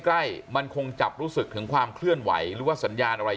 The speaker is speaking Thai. ใกล้มันคงจับรู้สึกถึงความเคลื่อนไหวหรือว่าสัญญาณอะไร